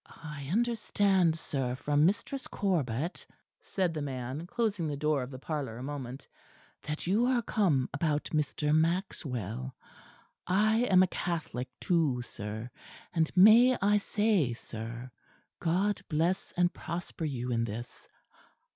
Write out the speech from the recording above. "I understand, sir, from Mistress Corbet," said the man, closing the door of the parlour a moment, "that you are come about Mr. Maxwell. I am a Catholic, too, sir, and may I say, sir, God bless and prosper you in this.